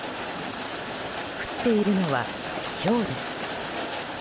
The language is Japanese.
降っているのはひょうです。